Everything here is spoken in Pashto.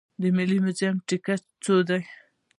د ملي موزیم ټکټ څو دی؟